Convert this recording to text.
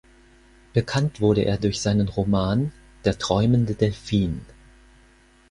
Bekannt wurde er durch seinen Roman "Der träumende Delphin".